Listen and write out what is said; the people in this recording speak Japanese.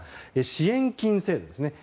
支援金制度ですね。